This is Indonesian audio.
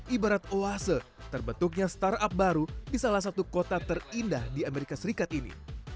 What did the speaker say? ibarat oase terbentuknya startup baru di salah satu kota terindah di amerika serikat ini